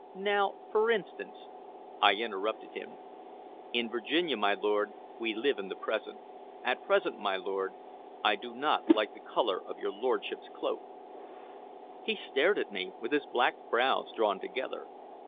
Now, for instance" I interrupted him. "In Virginia, my lord, we live in the present. At present, my lord, I like not the color of your lordship's cloak." He stared at me, with his black brows drawn together.